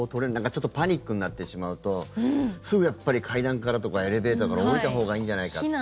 ちょっとパニックになってしまうとすぐ、やっぱり階段からとかエレベーターから下りたほうがいいんじゃないかって。